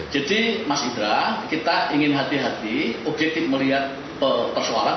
jadi mas ibra kita ingin hati hati objektif melihat persoalan